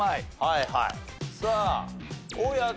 はいはい。